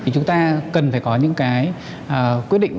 chúng ta cần phải có những cái quyết định